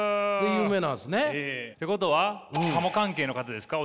有名なんですね。ってことは鴨関係の方ですか？